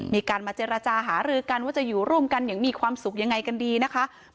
มีการมาเจรจาหารือกันว่าจะอยู่ร่วมกันอย่างมีความสุขยังไงกันดีนะคะ